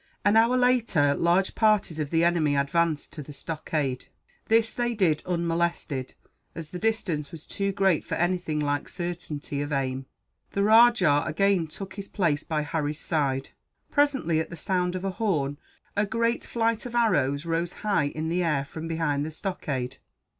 An hour later, large parties of the enemy advanced to the stockade. This they did unmolested, as the distance was too great for anything like certainty of aim. The rajah again took his place by Harry's side. Presently, at the sound of a horn, a great flight of arrows rose high in the air from behind the stockade.